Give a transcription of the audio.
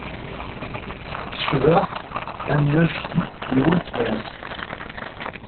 Tecbeḥ anect n weltma-s.